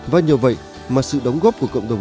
và nhờ vậy mà sự đóng góp của cộng đồng